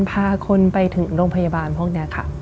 พาคนไปถึงโรงพยาบาลพวกนี้ค่ะ